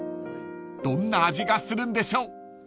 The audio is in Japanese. ［どんな味がするんでしょう？］